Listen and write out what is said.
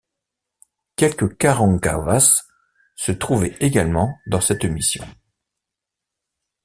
Quelques Karankawas se trouvaient également dans cette mission.